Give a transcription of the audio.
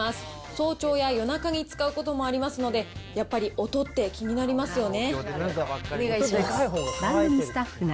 早朝や夜中に使うこともありますので、やっぱり音って気になりますよね。